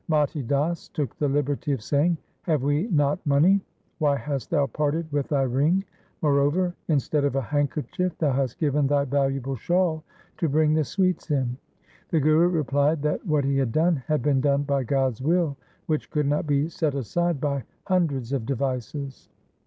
Mati Das took the liberty of saying, ' Have we not money ? why hast thou parted with thy ring ? Moreover, in stead of a handkerchief thou hast given thy valuable shawl to bring the sweets in.' The Guru replied that what he had done had been done by God's will which could not be set aside by hundreds of devices.